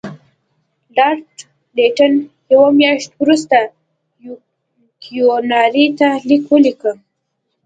لارډ لیټن یوه میاشت وروسته کیوناري ته لیک ولیکه.